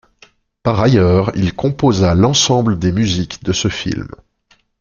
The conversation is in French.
Par ailleurs il composa l’ensemble des musiques de ce film.